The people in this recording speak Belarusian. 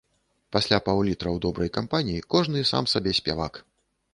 Пасля паўлітра ў добрай кампаніі кожны сам сабе спявак.